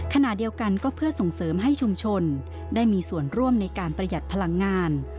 ขณะเดียวกันก็เพื่อส่งเสริมให้ชุมชนได้มีส่วนร่วมในการประหยัดพลังงาน